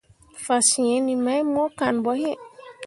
Fasǝǝni mai mo kan ɓo iŋ.